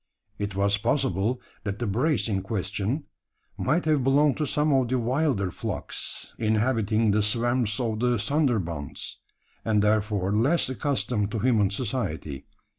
It was possible that the brace in question might have belonged to some of the wilder flocks inhabiting the swamps of the Sunderbunds and therefore less accustomed to human society.